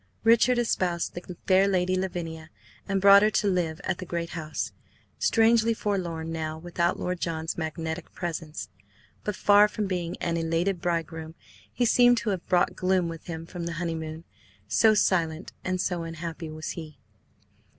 Richard espoused the fair Lady Lavinia and brought her to live at the great house, strangely forlorn now without Lord John's magnetic presence; but, far from being an elated bridegroom, he seemed to have brought gloom with him from the honeymoon, so silent and so unhappy was he.